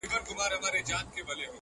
• اوس د چا پر پلونو پل نږدم بېرېږم ـ